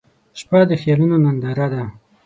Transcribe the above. • شپه د خیالونو ننداره ده.